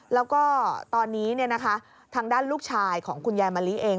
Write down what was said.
แล้วก็ตอนนี้ทางด้านลูกชายของคุณยายมะลิเอง